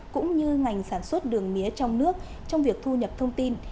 cũng như ngành sản xuất đường mía trong nước trong việc thu nhập thông tin